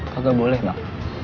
kagak boleh mak